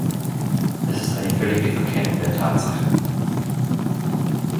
Das ist eine völlige Verkennung der Tatsachen.